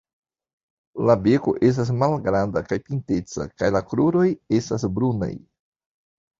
La beko estas malgranda kaj pinteca kaj la kruroj estas brunaj.